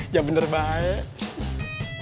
jangan bener baik